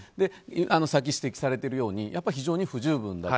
さっき指摘されてるように非常に不十分だと。